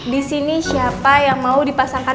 disini siapa yang mau dipasangkan